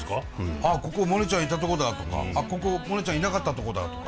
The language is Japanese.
ああここモネちゃんいたとこだとかここモネちゃんいなかったとこだとか。